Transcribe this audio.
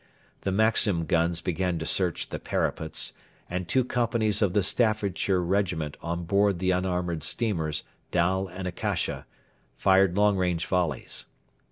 The Maxim guns began to search the parapets, and two companies of the Staffordshire Regiment on board the unarmoured steamers Dal and Akasha fired long range volleys.